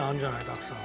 たくさん。